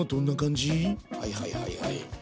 はいはいはいはい。